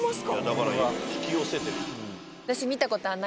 だから引き寄せてる。